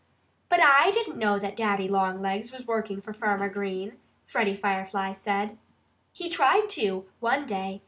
"But I didn't know that Daddy Longlegs was working for Farmer Green," Freddie Firefly said. "He tried to, one day.